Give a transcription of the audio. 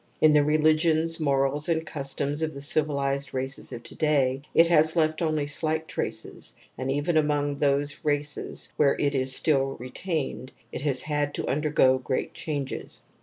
In the religions, morals, and customs of the civilized races of to day it has left only slight traces, and even among those races where it is still retained, it has had to undergo great changes.